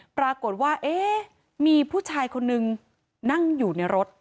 ปรากฏว่าเอ๊ะมีผู้ชายคนนึงนั่งอยู่ในรถ